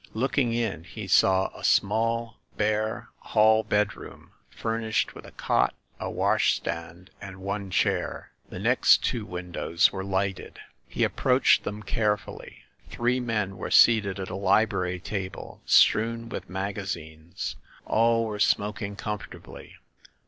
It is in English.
Looking in, he saw a small, bare, hall bedroom, furnished with a cot, a wash stand, and one chair. The next two windows were lighted. He approached them carefully. Three men were seated at a library table strewn with maga zines. All were smoking comfortably.